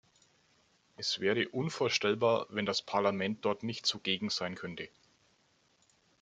Es wäre unvorstellbar, wenn das Parlament dort nicht zugegen sein könnte.